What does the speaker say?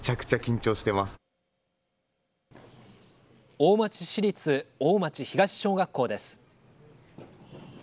大町市立大町東小学校です。